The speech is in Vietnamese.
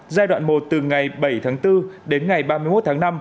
giai đoạn một từ ngày bảy tháng bốn đến ngày ba mươi một tháng năm